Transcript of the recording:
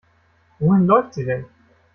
Wohin läuft sie denn?